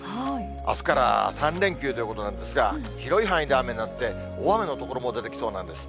あすから３連休ということなんですが、広い範囲で雨になって、大雨の所も出てきそうなんです。